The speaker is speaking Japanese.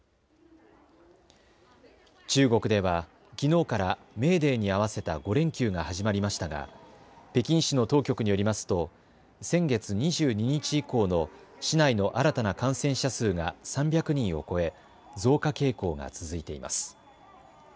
中国ではきのうからメーデーに合わせた５連休が始まりましたが北京市の当局によりますと先月２２日以降の市内の新たな感染者数が３００人を超え増加傾向が続いています。